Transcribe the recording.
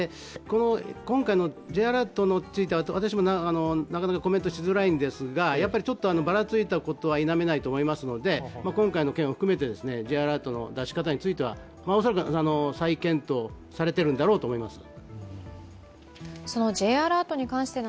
今回のＪアラートについては、私もなかなかコメントしづらいんですがちょっとばらついたことは否めないと思いますので、今回の件を含めてＪアラートの出し方については恐らく再検討されてるんだろうと思います。